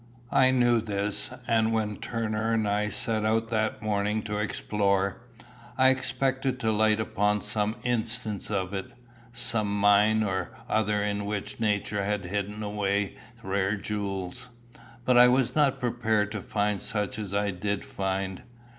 I knew this; and when Turner and I set out that morning to explore, I expected to light upon some instance of it some mine or other in which nature had hidden away rare jewels; but I was not prepared to find such as I did find.